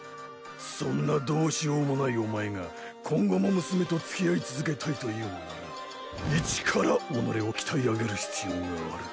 そんなどうしようもないお前が今後も娘とつきあい続けたいと言うのなら一から己を鍛え上げる必要がある。